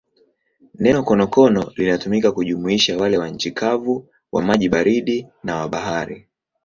Neno konokono linatumika kujumuisha wale wa nchi kavu, wa maji baridi na wa bahari.